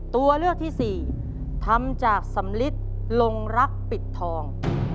ตัวเลือกที่สี่ทำจากสำลิดลงรักปิดทอง